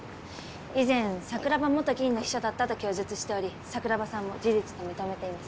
以前桜庭元議員の秘書だったと供述しており桜庭さんも事実と認めています。